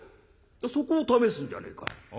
「そこを試すんじゃねえか。